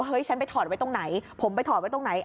ฉันไปถอดไว้ตรงไหนผมไปถอดไว้ตรงไหน